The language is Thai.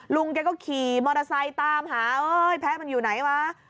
ลุงแกก็ขี่มอเตอร์ไซค์ตามหาเอ้ยแพ้มันอยู่ไหนวะ